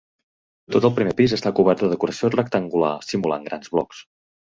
Tot el primer pis està cobert de decoració rectangular simulant grans blocs.